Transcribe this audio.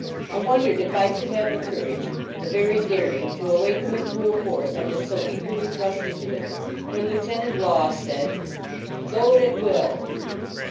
I wondered if I could have the courage, the very daring to awaken the cruel force I had so eagerly thrust into it when Lieutenant Law said, "Load at will."